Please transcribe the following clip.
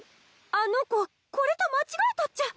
あの子これと間違えたっちゃ。